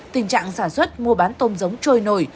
tình trạng sản xuất mua bán tôm giống trôi nổi